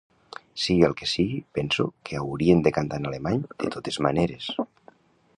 Sigui el que sigui, penso que haurien de cantar en alemany de totes maneres.